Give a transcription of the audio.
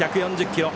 １４０キロ。